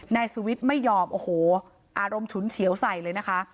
นายสุวิทย์ไม่ยอมโอ้โหอารมณ์ฉุนเฉียวใส่เลยนะคะ